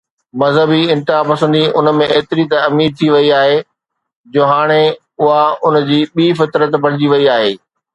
مذهبي انتها پسندي ان ۾ ايتري ته امير ٿي وئي آهي جو هاڻي اها ان جي ٻي فطرت بڻجي وئي آهي.